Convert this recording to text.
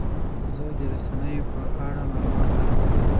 زه د رسنیو په اړه معلومات لرم.